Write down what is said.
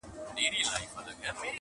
له سرو خولیو لاندي اوس سرونو سور واخیست,